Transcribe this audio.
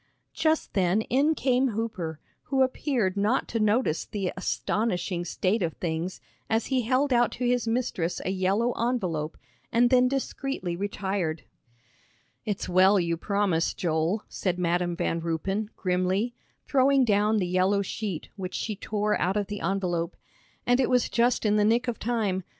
Just then in came Hooper, who appeared not to notice the astonishing state of things as he held out to his mistress a yellow envelope, and then discreetly retired. "It's well you promised, Joel," said Madam Van Ruypen, grimly, throwing down the yellow sheet, which she tore out of the envelope, "and it was just in the nick of time.